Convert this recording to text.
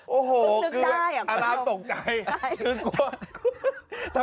โอ้โห้คืออารามสกใจ